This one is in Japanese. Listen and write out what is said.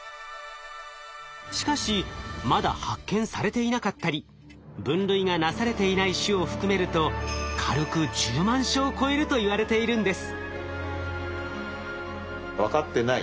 しかしまだ発見されていなかったり分類がなされていない種を含めると軽く１０万種を超えるといわれているんです。